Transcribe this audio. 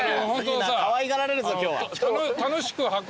かわいがられるぞ今日は。